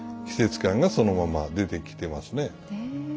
季節感がそのまま出てきてますね。